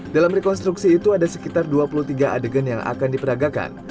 dalam rekonstruksi itu ada sekitar dua puluh tiga adegan yang akan diperagakan